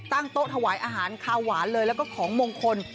โต๊ะถวายอาหารคาวหวานเลยแล้วก็ของมงคล